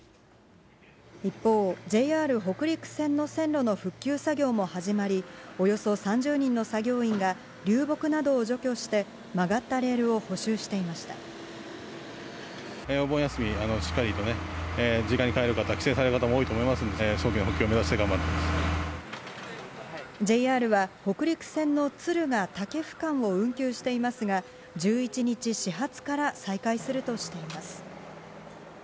一方、ＪＲ北陸線の線路の復旧作業も始まり、およそ３０人の作業員が流木などを除去して、曲がったレールを補お盆休みしっかりとね、実家に帰る方、帰省される方も多いと思いますので、ＪＲは、北陸線の敦賀・武生間を運休していますが、１１日始発から再開するとしています。